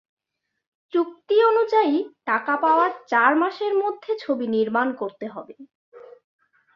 চুক্তি অনুযায়ী টাকা পাওয়ার চার মাসের মধ্যে ছবি নির্মাণ করতে হবে।